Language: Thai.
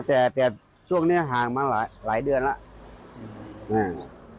แต่แต่ช่วงเนี้ยห่างมาหลายหลายเดือนแล้ว